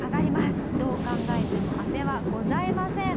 どう考えても当てはございません。